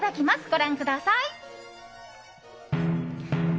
ご覧ください。